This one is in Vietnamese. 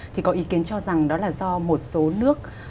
thì có ý kiến cho rằng đó là do một số nước